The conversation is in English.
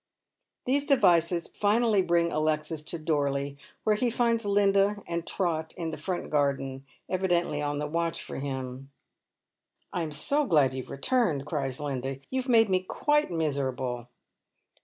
These devices finally bring Alexis to Dorley, where he finds Linda and Trot in the front garden, evidently on the watch for him. " I am so glad you have returned," cries Linda. " You have made me quite miserable."